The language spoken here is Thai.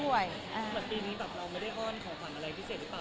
ก็ววแค่นี้แบบเราไม่ได้อ้อนขอฝันอะไรพิเศษรึเปล่า